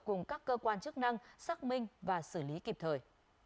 cùng các cơ quan chức năng xác minh và xử lý kịp thời